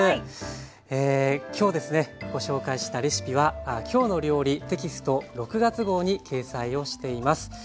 今日ですねご紹介したレシピは「きょうの料理」テキスト６月号に掲載をしています。